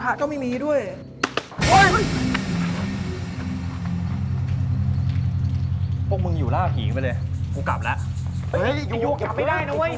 แล้วผีไหนจะออกมาให้มึงเห็น